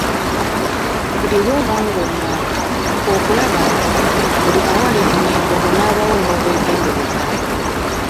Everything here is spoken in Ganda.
Buli lw'oba ng'onaaba, fuba okulaba nti, buli awali ennyingo onaba wo n'obwegendereza.